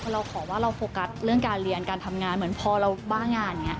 เราขอว่าเราโฟกัสเรื่องการเรียนการทำงานเหมือนพอเราบ้างานอย่างนี้